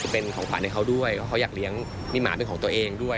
เป็นของขวัญให้เขาด้วยเพราะเขาอยากเลี้ยงมีหมาเป็นของตัวเองด้วย